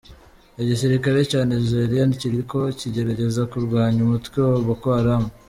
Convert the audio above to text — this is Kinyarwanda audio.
Igisirikare ca Nigeria kiriko kigerageza kurwanya umutwe wa Boko Haram.